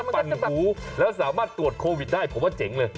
ปั่นหูแล้วสามารถตรวจโควิดได้ผมว่าเจ๋งเลย